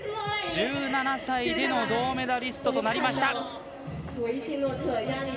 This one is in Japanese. １７歳での銅メダリストとなりました。